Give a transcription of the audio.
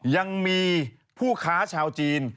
ยังมีผู้ค้าชาวจีน